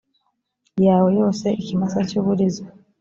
yawe yose ikimasa cy uburiza